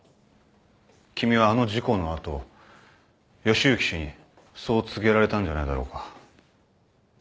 君はあの事故の後義之氏にそう告げられたんじゃないだろうか？